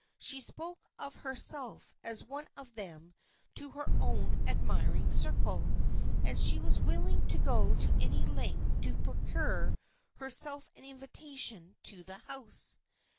She spoke of her self as one of them to her own admiring circle, and she was willing to go to any length to procure her self an invitation to the house.